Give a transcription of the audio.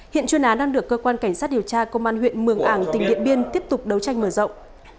hiện chuyên án đang được cơ quan cảnh sát điều tra công an huyện mường ảng tỉnh điện biên tiếp tục đấu tranh mở rộng